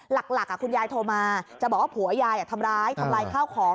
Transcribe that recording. หลักคุณยายโทรมาจะบอกว่าผัวยายทำร้ายทำลายข้าวของ